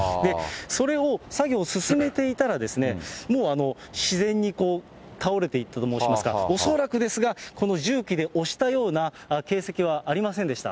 それを作業を進めていたら、もう自然に倒れていったと申しますか、恐らくですが、この重機で押したような形跡はありませんでした。